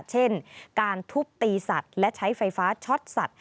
เช่นการทุบตีสัตว์และใช้ไฟฟ้าช็อตสัตว